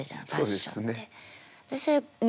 そうですね。